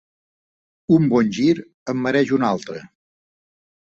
Un bon gir en mereix un altre